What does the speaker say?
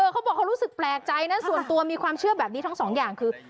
เขาบอกเขารู้สึกแปลกใจนะส่วนตัวมีความเชื่อแบบนี้ทั้งสองอย่างคือ